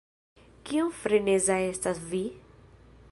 Kiom "freneza" estas vi?